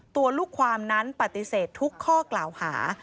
ตัวลูกความนั้นปฏิเสธทุกข้อกล่าวหา